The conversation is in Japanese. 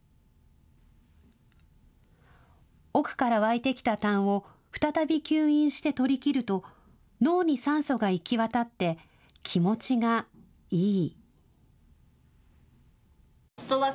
奥から湧いてきた痰をふたたび吸引して取りきると脳に酸素が行き渡って気持ちが、いい。